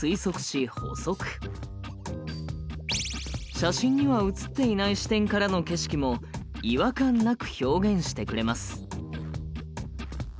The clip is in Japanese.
写真には写っていない視点からの景色も違和感なく表現してくれます。